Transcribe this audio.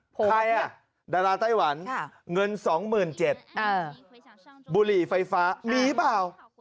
ใครอ่ะดาราไต้หวันเงิน๒๗๐๐บาทบุหรี่ไฟฟ้ามีเปล่า